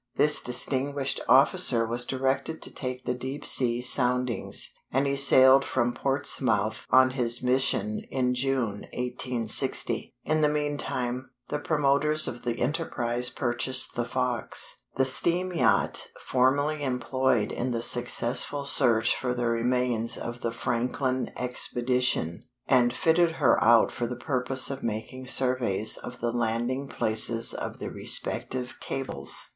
This distinguished officer was directed to take the deep sea soundings, and he sailed from Portsmouth on his mission in June, 1860. In the meantime, the promoters of the enterprise purchased the Fox, the steam yacht formerly employed in the successful search for the remains of the Franklin expedition, and fitted her out for the purpose of making surveys of the landing places of the respective cables.